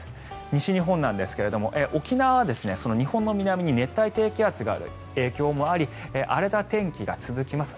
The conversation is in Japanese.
西日本なんですが沖縄は日本の南に熱帯低気圧がある影響もあり荒れた天気が続きます。